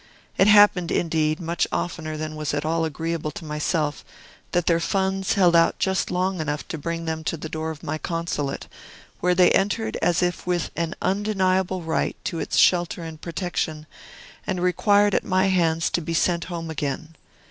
It happened, indeed, much oftener than was at all agreeable to myself, that their funds held out just long enough to bring them to the door of my Consulate, where they entered as if with an undeniable right to its shelter and protection, and required at my hands to be sent home again.